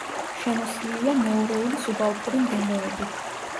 შემოსილია მეორეული სუბალპური მდელოებით.